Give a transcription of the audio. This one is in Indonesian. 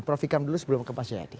prof ikam dulu sebelum ke mas jaya di